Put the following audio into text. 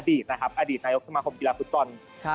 อดีตชาวนี้สมคมกีฬาฟุตกรณ์